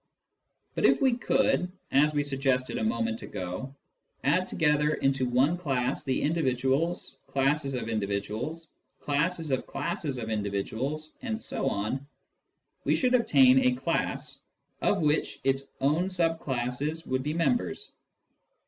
But if we could, as we suggested a moment ago, add together into one class the individuals, classes of individuals, classes of classes of individuals, etc., we should obtain a class of which its own sub classes would be members.